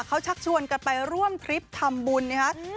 เขาชักชวนกันไปร่วมทริปทำบุญนะครับ